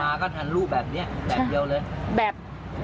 มาก็ทันรูปแบบนี้แบบเดียวเลยแบบ